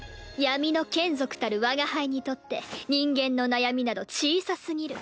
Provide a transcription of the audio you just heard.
闇の眷属たる我が輩にとって人間の悩みなど小さすぎる。